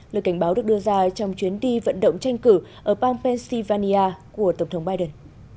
lời cảnh báo được đưa ra trong chuyến đi vận động tranh cử ở bang pennsylvania của tổng thống biden